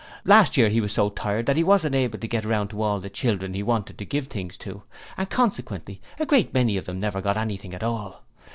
Last year he was so tired that he wasn't able to get round to all the children he wanted to give things to, and consequently a great many of them never got anything at all.